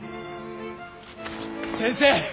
先生！